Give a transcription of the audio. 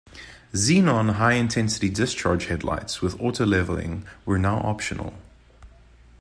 Xenon High-Intensity Discharge headlights with auto-leveling were now optional.